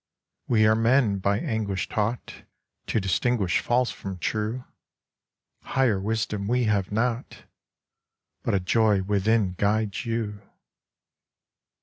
We are men by anguish taught To distinguish false from true ;! Higher wisdom we have not ;! But a joy within guides you.